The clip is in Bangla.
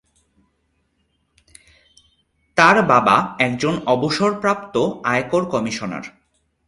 তার বাবা একজন অবসরপ্রাপ্ত আয়কর কমিশনার।